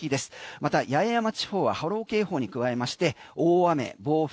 また八重山地方は波浪警報に加えまして大雨暴風